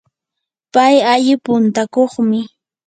pay alli puntakuqmi.